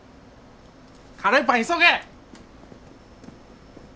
カレーパン急げ！